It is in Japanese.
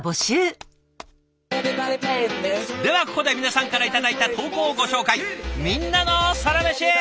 ではここで皆さんから頂いた投稿をご紹介。